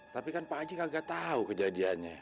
tapi kan pak haji enggak tau kejadiannya